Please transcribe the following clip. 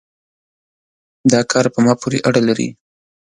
دا کار په ما پورې اړه لري